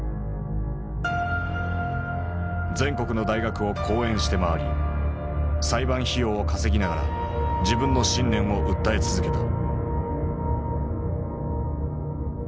全国の大学を講演して回り裁判費用を稼ぎながら自分の信念を訴え続けた。